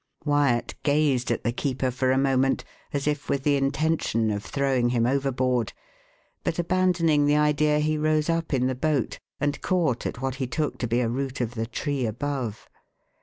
Wyat gazed at the keeper for a moment, as if with the intention of throwing him overboard; but abandoning the idea, he rose up in the boat, and caught at what he took to be a root of the tree above.